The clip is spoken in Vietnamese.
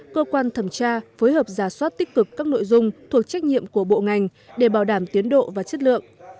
cơ quan thẩm tra phối hợp giả soát tích cực các nội dung thuộc trách nhiệm của bộ ngành để bảo đảm tiến độ và chất lượng